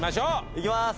いきます。